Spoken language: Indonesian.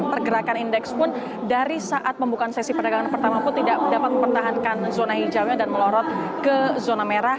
pergerakan indeks pun dari saat pembukaan sesi perdagangan pertama pun tidak dapat mempertahankan zona hijaunya dan melorot ke zona merah